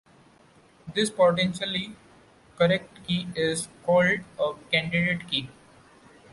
This potentially-correct key is called a "candidate key".